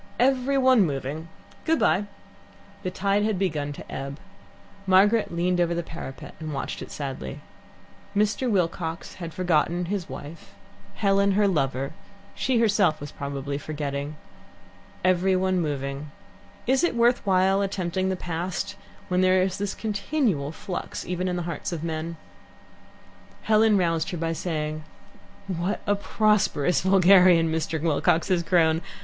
"Every one moving! Good bye." The tide had begun to ebb. Margaret leant over the parapet and watched it sadly. Mr. Wilcox had forgotten his wife, Helen her lover; she herself was probably forgetting. Every one moving. Is it worth while attempting the past when there is this continual flux even in the hearts of men? Helen roused her by saying: "What a prosperous vulgarian Mr. Wilcox has grown!